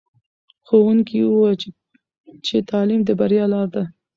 ښوونکي وویل چې تعلیم د بریا لاره ده.